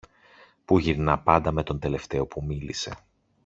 που γυρνά πάντα με τον τελευταίο που μίλησε